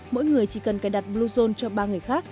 mỗi người chỉ cần cài đặt bluezone cho ba người khác